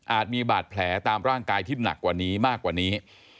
มีบาดแผลตามร่างกายที่หนักกว่านี้มากกว่านี้